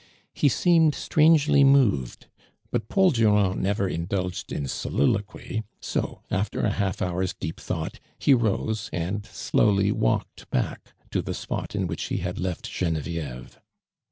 lie seemed strangely moved, but Paul Durand jiever indulged in soliloquy, so after a half hour's deep thought, he rose and slowly walked back to the spot in which he had left Genevieve.